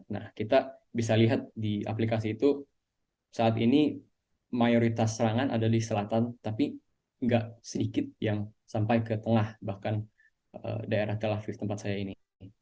nah kita bisa lihat di aplikasi itu saat ini mayoritas serangan ada di selatan tapi nggak sedikit yang sampai ke tengah bahkan daerah tel aviv tempat saya ini